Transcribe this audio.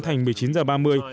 thành một mươi chín giờ ba mươi